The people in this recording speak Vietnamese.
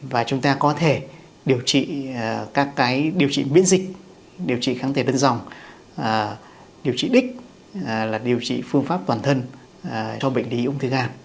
và chúng ta có thể điều trị các cái điều trị biến dịch điều trị kháng thể đơn dòng điều trị đích là điều trị phương pháp toàn thân cho bệnh lý ung thư gan